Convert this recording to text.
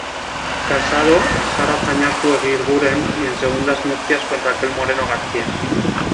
Casado "Sara Zañartu Eguiguren", y en segundas nupcias con "Raquel Moreno García".